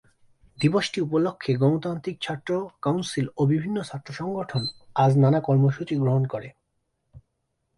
দিবসটি উপলক্ষে গণতান্ত্রিক ছাত্র কাউন্সিল ও বিভিন্ন ছাত্র সংগঠন আজ নানা কর্মসূচি গ্রহণ করে।